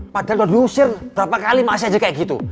padahal udah diusir berapa kali masih aja kayak gitu